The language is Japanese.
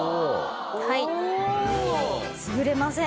はい潰れません。